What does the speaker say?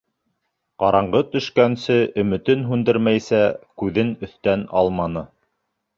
Ҡараңғы төшкәнсе, өмөтөн һүндермәйсә, күҙен өҫтән алманы.